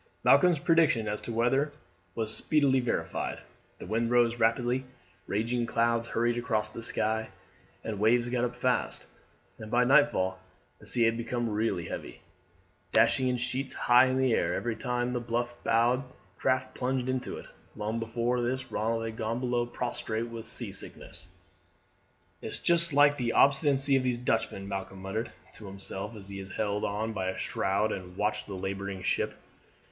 Malcolm's prediction as to the weather was speedily verified. The wind rose rapidly, ragged clouds hurried across the sky, and the waves got up fast, and by nightfall the sea had become really heavy, dashing in sheets high in the air every time the bluff bowed craft plunged into it. Long before this Ronald had gone below prostrate with seasickness. "It's just like the obstinacy of these Dutchmen," Malcolm muttered to himself as he held on by a shroud and watched the labouring ship.